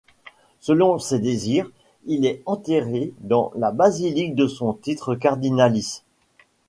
Selon ses désirs, il est enterré dans la Basilique de son titre cardinalice.